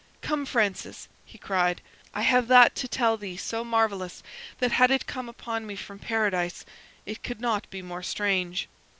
"Come, Francis!" he cried, "I have that to tell thee so marvellous that had it come upon me from paradise it could not be more strange."